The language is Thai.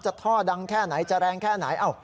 ท่อดังแค่ไหนจะแรงแค่ไหน